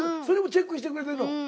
それもチェックしてくれてんの。